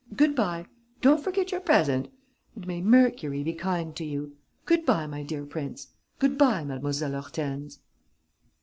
Good bye ... don't forget your present ... and may Mercury be kind to you! Good bye, my dear Prince! Good bye, Mlle. Hortense!..."